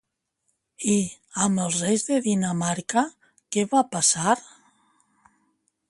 I, amb els reis de Dinamarca, què va passar?